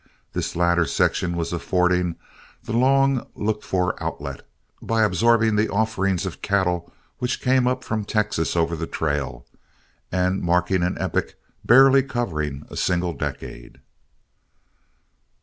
This latter section was affording the long looked for outlet, by absorbing the offerings of cattle which came up from Texas over the trail, and marking an epoch barely covering a single decade.